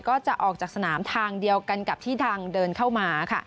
ก็จะออกจากสนามทางเดียวกันกับที่ดังเดินเข้ามาค่ะ